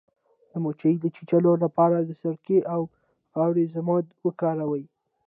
د مچۍ د چیچلو لپاره د سرکې او خاورې ضماد وکاروئ